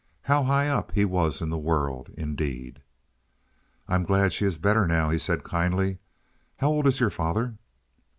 How high up he was in the world, indeed! "I am glad she is better now," he said kindly. "How old is your father?"